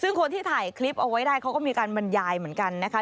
ซึ่งคนที่ถ่ายคลิปอันไลน์ไปด้วยเขาก็มีการแบ่งปัญญายเหมือนกันนะคะ